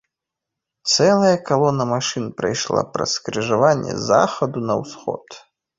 Цэлая калона машын прайшла праз скрыжаванне з захаду на ўсход.